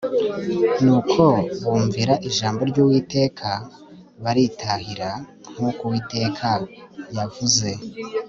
nuko bumvira ijambo ry'uwiteka baritahira, nk'uko uwiteka yavuze